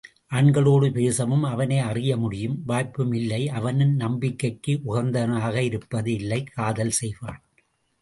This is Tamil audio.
ஆண்களோடு பேசவும், அவனை அறிய முடியும் வாய்ப்பும் இல்லை அவனும் நம்பிக்கைக்கு உகந்தவனாக இருப்பது இல்லை காதல் செய்வான்.